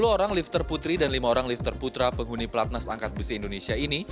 sepuluh orang lifter putri dan lima orang lifter putra penghuni pelatnas angkat besi indonesia ini